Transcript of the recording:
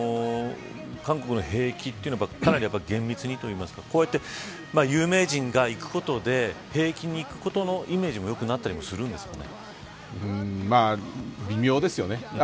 韓国の兵役というのはかなり厳密にというかこうやって有名人が行くことで兵役に行くことのイメージも微妙ですよね。